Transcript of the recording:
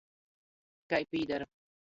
Kai pīdar.